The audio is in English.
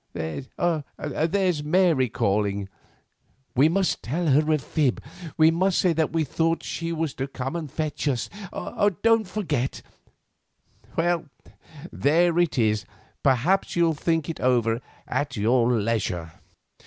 There's Mary calling. We must tell a fib, we must say that we thought she was to come to fetch us; don't you forget. Well, there it is, perhaps you'll think it over at your leisure."